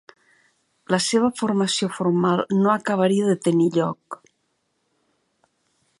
La seva formació formal no acabaria de tenir lloc.